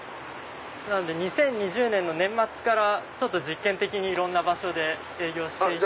２０２０年の年末から実験的にいろんな場所で営業していて。